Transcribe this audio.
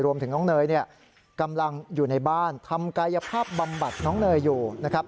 รวมถึงน้องเนยเนี่ยกำลังอยู่ในบ้านทำกายภาพบำบัดน้องเนยอยู่นะครับ